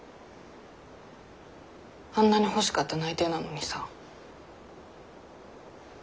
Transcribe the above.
あんなに欲しかった内定なのにさ。